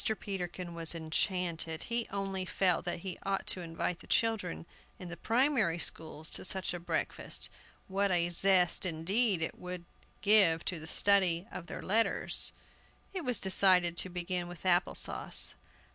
Peterkin was enchanted. He only felt that he ought to invite the children in the primary schools to such a breakfast; what a zest, indeed, it would give to the study of their letters! It was decided to begin with Apple sauce.